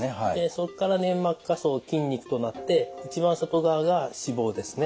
そこから粘膜下層筋肉となって一番外側が脂肪ですね。